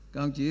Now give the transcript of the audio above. các đồng chí